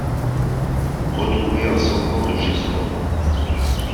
Retrouver un semblant de chez soi.